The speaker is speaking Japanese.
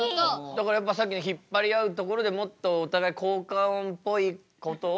だからやっぱさっきの引っ張り合うところでもっとお互い効果音っぽいことを。